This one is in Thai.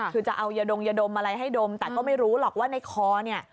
คือจะเอายาดงยาดมอะไรให้ดมแต่ก็ไม่รู้หรอกว่าในคอเนี่ย